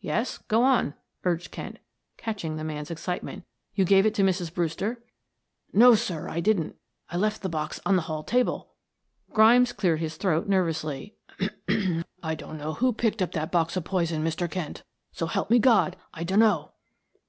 "Yes, go on," urged Kent, catching the man's excitement. "You gave it to Mrs. Brewster " "No, sir; I didn't; I left the box on the hall table," Grimes cleared his throat nervously. "I dunno who picked up that box o' poison, Mr. Kent; so help me God, I dunno!"